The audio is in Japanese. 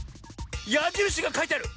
やじるしがかいてある。